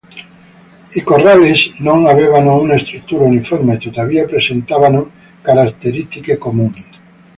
I "corrales" non avevano una struttura uniforme, tuttavia presentavano caratteristiche comuni.